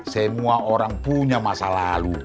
semua orang punya masa lalu